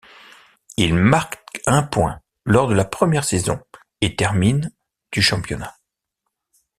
Il marque un point lors de la première saison et termine du championnat.